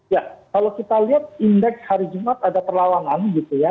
ya kalau kita lihat indeks hari jumat ada perlawanan gitu ya